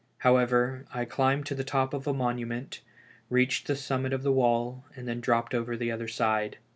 However, I climbed to the top of a monument, reached the summit of the wall, and then dropped over the other side.